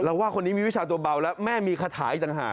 ว่าคนนี้มีวิชาตัวเบาแล้วแม่มีคาถาอีกต่างหาก